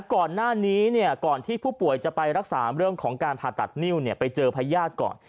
ก่อนหน้านี้ก่อนที่ผู้ป่วยจะไปรักษาเรื่องของการผ่าตัดนิ้วไปเจอพญาติก่อน